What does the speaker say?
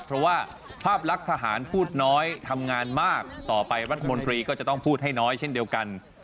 เพราะว่าภาพลักษณ์ทหารพูดน้อยทำงานมากต่อไปรัฐมนตรีก็จะต้องพูดให้น้อยเช่นเดียวกัน